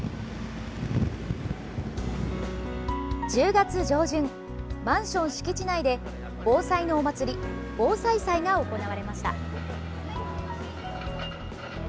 １０月上旬マンション敷地内で防災のお祭り防災祭が行われました。